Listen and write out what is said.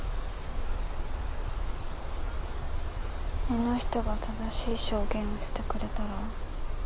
あの人が正しい証言をしてくれたら。